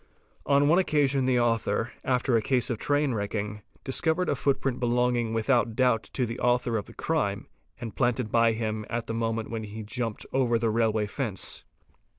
On one occasion the author, after a case of train wrecking, discovered a footprint belonging without doubt _ to the author of the crime and planted by him at the moment when he had jumped over the railway fence.